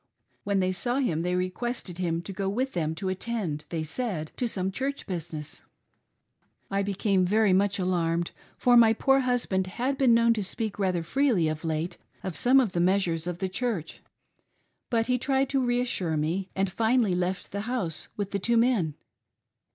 When they saw him they re quested him to go with them to attend, they said, to some Church business. I became very much alarmed, for my poor« husband had been known to speak rather freely of late of 320 "HAD THKIR BLOOD SHED — ALL FOR LOV e!" some of the measures of the Church, but he tried to reassure me and finally left the house with the two men.